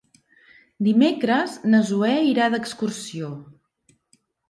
Dimecres na Zoè irà d'excursió.